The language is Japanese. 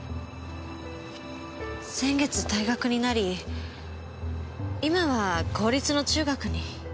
先月退学になり今は公立の中学に。